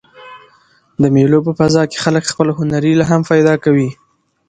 د مېلو په فضا کښي خلک خپل هنري الهام پیدا کوي.